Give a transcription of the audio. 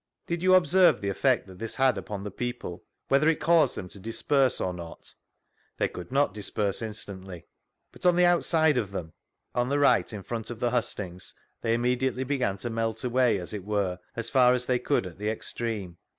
Did you observe the effect that this had upon the people, whether it caused them to disperse or not? — They could not disperse instantly. But on the outside of them? — On the right, in front of the hustings, they immediately began to melt away, as it were, as far as they could at the extreme.